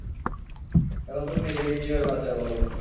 এখন তুমি নিজেকে কিভাবে বাঁচাবে, বলো?